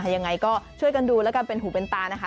ยังไงก็ช่วยกันดูแล้วกันเป็นหูเป็นตานะคะ